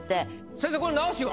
先生これ直しは？